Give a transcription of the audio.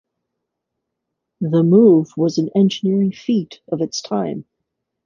The move was an engineering feat of its time.